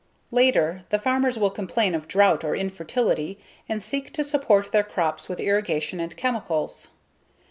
Later, the farmers will complain of drought or infertility and seek to support their crops with irrigation and chemicals.